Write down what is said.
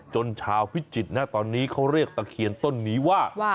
ชาวพิจิตรนะตอนนี้เขาเรียกตะเคียนต้นนี้ว่า